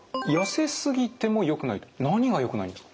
何がよくないんですか？